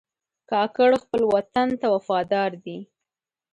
کاکړ خپل وطن ته وفادار دي.